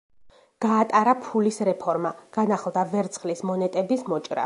გაატარა ფულის რეფორმა; განახლდა ვერცხლის მონეტების მოჭრა.